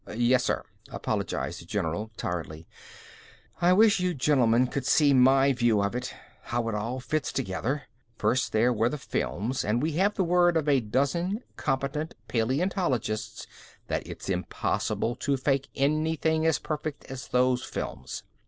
"Yes, sir," apologized the general tiredly. "I wish you gentlemen could see my view of it, how it all fits together. First there were the films and we have the word of a dozen competent paleontologists that it's impossible to fake anything as perfect as those films.